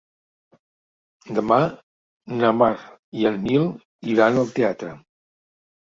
Demà na Mar i en Nil iran al teatre.